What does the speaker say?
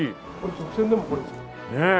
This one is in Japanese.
直線でもこれですよ。ねえ。